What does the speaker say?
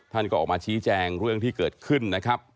ท่านก็ออกมาชี้แจงเรื่องที่เกิดขึ้นนะครับ